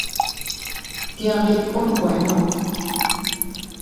Tiandikku nkuenno.